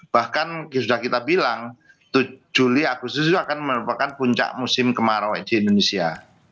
bahkan sudah kita bilang juli agustus itu akan merupakan puncak musim kemarau di indonesia